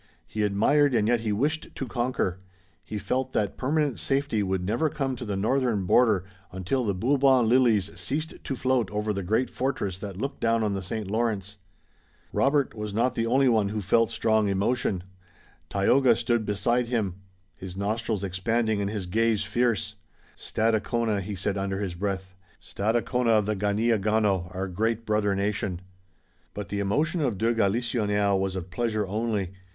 He admired and yet he wished to conquer. He felt that permanent safety could never come to the northern border until the Bourbon lilies ceased to float over the great fortress that looked down on the St. Lawrence. Robert was not the only one who felt strong emotion. Tayoga stood beside him, his nostrils expanding and his gaze fierce: "Stadacona!" he said under his breath, "Stadacona of the Ganeagaono, our great brother nation!" But the emotion of de Galisonnière was of pleasure only.